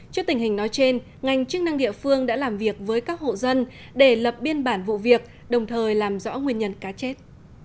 trước tình hình nói trên ngành chức năng địa phương đã làm việc với các hộ dân để lập biên bản vụ việc đồng thời làm rõ nguyên nhân cá chết